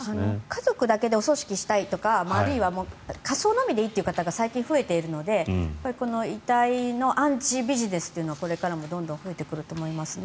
家族だけでお葬式したいとかあるいは火葬のみでいいという方が最近増えているので遺体の安置ビジネスというのはこれからもどんどん増えてくると思いますね。